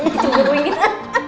di sini dijunggu jungguin kita